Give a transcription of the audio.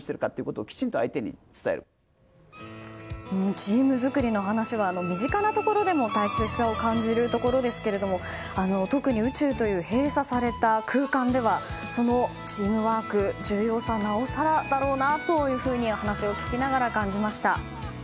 チーム作りの話は身近なところでも大切さを感じるところですけれども特に宇宙という閉鎖された空間ではそのチームワークの重要さはなおさらだろうなというふうに話を聞きながら感じました。